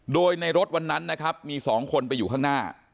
โดยในรถวันนั้นนะครับมี๒คนไปอยู่ข้างหน้า